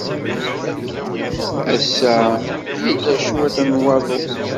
Ass-a, yella cwiṭ n waḍu.